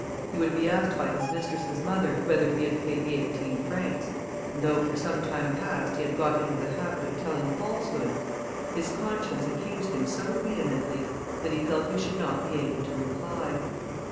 He would be asked by his mistress's mother whether he had paid the eighteen francs, and though for some time past he had got into the habit of telling falsehoods, his conscience accused him so vehemently, that he felt he should not be able to reply.